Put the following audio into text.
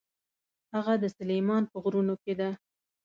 هغه د سلیمان په غرونو کې ده.